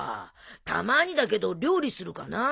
たまにだけど料理するかな。